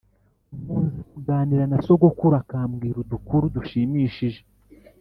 Nkunze kuganira na sogokuru akambwira udukuru dushimishije